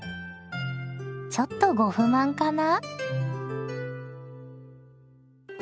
ちょっとご不満かな？